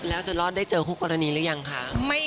แล้วจะรอดได้เจอคู่กรณีหรือยังคะ